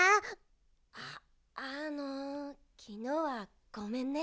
ああのきのうはごめんね。